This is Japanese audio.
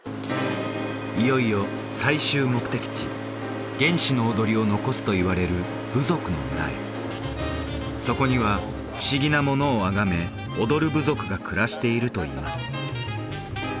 いよいよ最終目的地原始の踊りを残すといわれる部族の村へそこには不思議なものを崇め踊る部族が暮らしているといいます